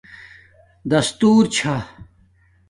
دستور چھ